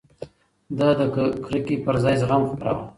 ده د کرکې پر ځای زغم خپراوه.